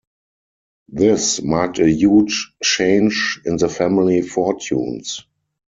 This marked a huge change in the family fortunes.